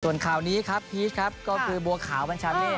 ส่วนข่าวนี้ครับพีชครับก็คือบัวขาวบัญชาเมฆ